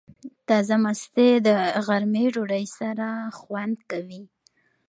تازه مستې د غرمې ډوډۍ سره خوند کوي.